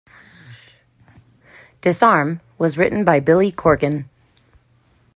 "Disarm" was written by Billy Corgan.